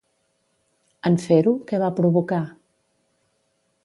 En fer-ho, què va provocar?